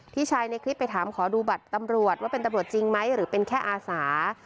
ชายในคลิปไปถามขอดูบัตรตำรวจว่าเป็นตำรวจจริงไหมหรือเป็นแค่อาสา